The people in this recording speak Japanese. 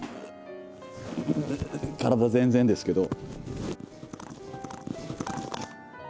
体全然ですけど。